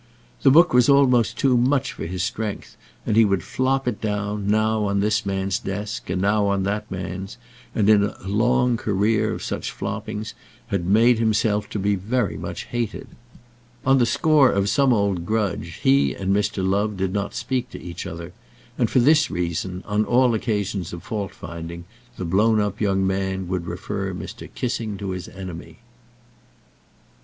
This book was almost too much for his strength, and he would flop it down, now on this man's desk and now on that man's, and in a long career of such floppings had made himself to be very much hated. On the score of some old grudge he and Mr. Love did not speak to each other; and for this reason, on all occasions of fault finding, the blown up young man would refer Mr. Kissing to his enemy.